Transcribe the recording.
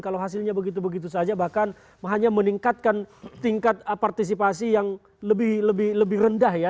kalau hasilnya begitu begitu saja bahkan hanya meningkatkan tingkat partisipasi yang lebih rendah ya